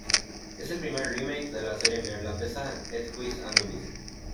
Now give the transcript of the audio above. Es el primer remake de la serie neerlandesa "Het Huis Anubis".